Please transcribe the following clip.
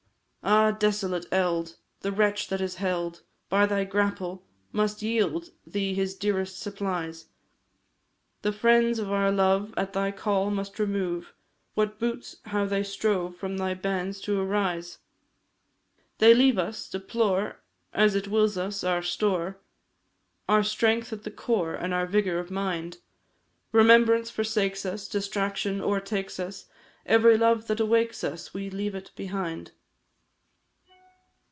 Ah, desolate eld! the wretch that is held By thy grapple, must yield thee his dearest supplies; The friends of our love at thy call must remove, What boots how they strove from thy bands to arise? They leave us, deplore as it wills us, our store, Our strength at the core, and our vigour of mind; Remembrance forsakes us, distraction o'ertakes us, Every love that awakes us, we leave it behind.